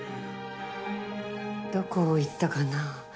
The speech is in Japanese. どこ行ったかな？